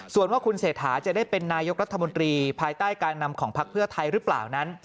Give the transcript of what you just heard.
ส่วนว่าคุณเศรษฐาจะได้เป็นนายกรัฐมนตรีภายใต้การนำของพักเพื่อไทยหรือเปล่านั้น